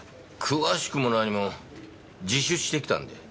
詳しくも何も自首してきたんだよ。